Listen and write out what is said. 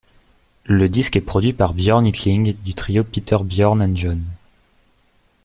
Le disque est produit par Björn Yttling du trio Peter Bjorn and John.